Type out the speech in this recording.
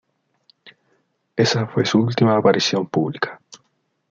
Esa fue su última aparición pública.